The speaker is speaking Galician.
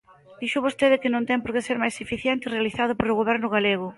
Dixo vostede que non ten por que ser máis eficiente realizado polo Goberno galego.